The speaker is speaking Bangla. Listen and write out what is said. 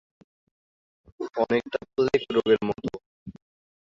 অনেকটা প্লেগ রোগের মত